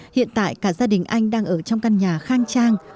hiện tại cả gia đình anh đang ở trong căn nhà khang trang